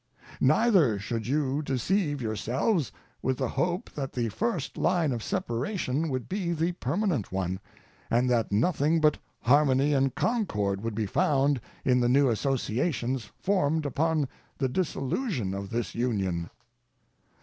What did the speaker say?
Neither should you deceive yourselves with the hope that the first line of separation would be the permanent one, and that nothing but harmony and concord would be found in the new associations formed upon the dissolution of this Union.